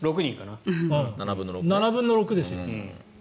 ７分の６ですよ。